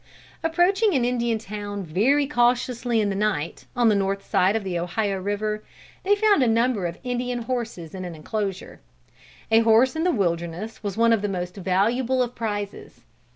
Approaching an Indian town very cautiously in the night, on the north side of the Ohio river, they found a number of Indian horses in an enclosure. A horse in the wilderness was one of the most valuable of prizes.